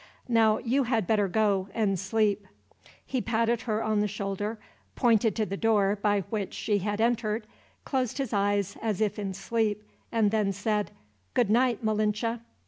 Now you had better go, and sleep." He patted her on the shoulder, pointed to the door by which she had entered, closed his eyes as if in sleep, and then said, "Good night, Malinche."